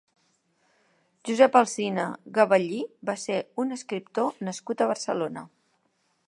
Josep Alsina Gebellí va ser un escriptor nascut a Barcelona.